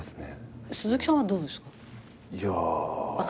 鈴木さんはどうですか？